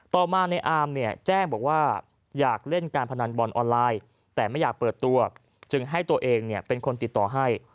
ต่อมาในอามเนี่ยแจ้งบอกว่าอยากเล่นการพนันบอลออนไลน์แต่ไม่อยากเปิดตัวจึงให้ตัวเองเป็นคนติดต่อให้